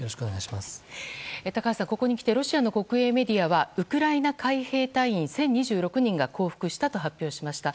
高橋さん、ここにきてロシアの国営メディアはウクライナ海兵隊員１０２６人が降伏したと発表しました。